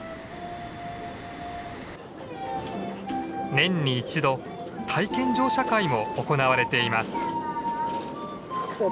年に１度体験乗車会も行われています。